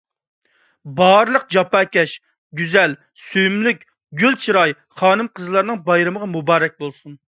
بارلىق جاپاكەش، گۈزەل، سۆيۈملۈك، گۈل چىراي خانىم-قىزلارنىڭ بايرىمىغا مۇبارەك بولسۇن.